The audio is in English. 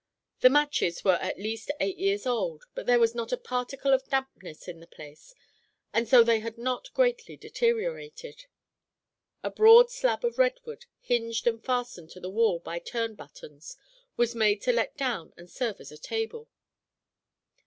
The matches were at least eight years old, but there was not a particle of dampness in the place and so they had not greatly deteriorated. A broad slab of redwood, hinged and fastened to the wall by turn buttons, was made to let down and serve as a table.